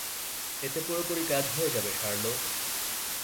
এতে পুরোপুরি কাজ হয়ে যাবে, শার্লোট।